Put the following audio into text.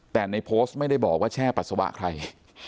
แต่ในโพสต์ไม่ได้บอกว่าแช่ปัสสาวะใคร